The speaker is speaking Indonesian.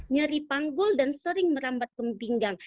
nyeri panggul dan sering merambat ke pinggang